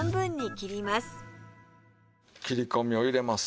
切り込みを入れます。